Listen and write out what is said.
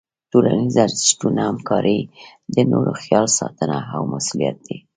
ټولنیز ارزښتونه همکاري، د نورو خیال ساتنه او مسؤلیت دي.